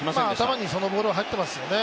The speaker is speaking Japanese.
頭にそのボールは入ってますよね。